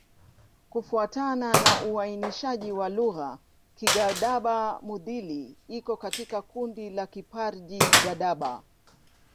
Kufuatana na uainishaji wa lugha, Kigadaba-Mudhili iko katika kundi la Kiparji-Gadaba.